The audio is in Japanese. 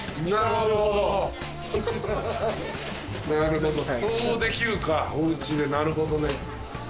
なるほどそうできるかおうちでなるほどね。